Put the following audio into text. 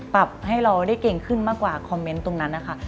ปรับให้เราได้เก่งขึ้นมากกว่าคอมเมนต์ตรงนั้นนะคะ